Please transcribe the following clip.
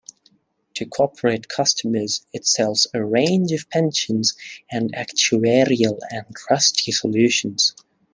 To corporate customers it sells a range of pensions and actuarial and trustee solutions.